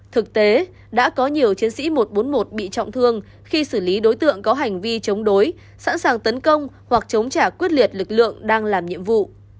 thực tế đã có nhiều chiến sĩ một trăm bốn mươi một bị trọng thương khi xử lý đối tượng có hành vi chống đối sẵn sàng tấn công hoặc chống trả quyết liệt lực lượng đang làm nhiệm vụ